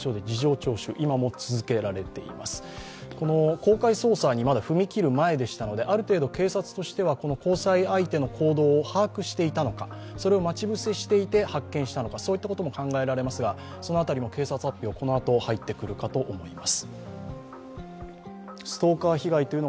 公開捜査にまだ踏み切る前でしたので、ある程度、警察としては交際相手の行動を把握していたのか、それを待ち伏せしていて発見したのか、そういったことも考えられますが、その辺りも警察発表、このあと入ってくると思われます。